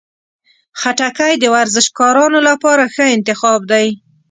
خټکی د ورزشکارانو لپاره ښه انتخاب دی.